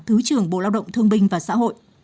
thứ trưởng bộ lao động thương binh và xã hội